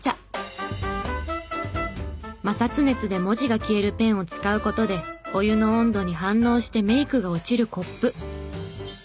摩擦熱で文字が消えるペンを使う事でお湯の温度に反応してメイクが落ちるコップ。